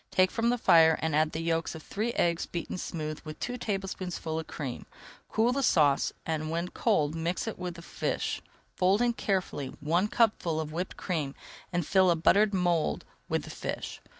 Take from the fire, and add the yolks of three eggs beaten smooth with two [Page 285] tablespoonfuls of cream. Cool the sauce, and when cold mix it with the fish. Fold in carefully one cupful of whipped cream and fill a buttered mould with the fish.